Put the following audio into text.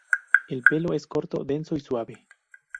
El pelo es corto, denso y suave.